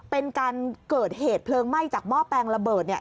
เป็นการเกิดเหตุเพลิงไหม้จากหม้อแปลงระเบิดเนี่ย